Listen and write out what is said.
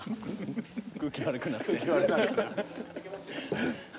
空気悪くなって。